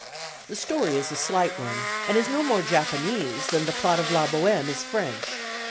The story is a slight one, and is no more Japanese than the plot of La Bohème is French.